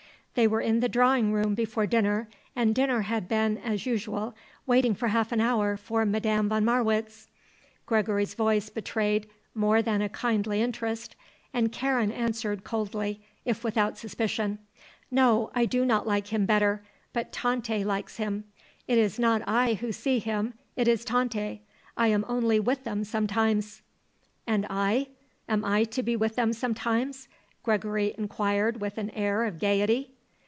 They were in the drawing room before dinner and dinner had been, as usual, waiting for half an hour for Madame von Marwitz. Gregory's voice betrayed more than a kindly interest, and Karen answered coldly, if without suspicion; "No; I do not like him better. But Tante likes him. It is not I who see him, it is Tante. I am only with them sometimes." "And I? Am I to be with them sometimes?" Gregory inquired with an air of gaiety.